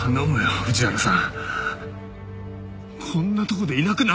藤原さん！